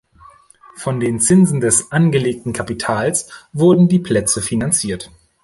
Von den Zinsen des angelegten Kapitals wurden die Plätze finanziert.